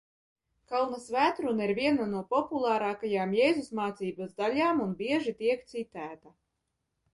Kalna svētruna ir viena no populārākajām Jēzus mācības daļām un bieži tiek citēta.